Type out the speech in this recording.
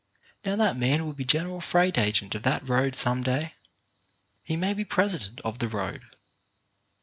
Now that man will be general freight agent of that road some day: he may be president of the road.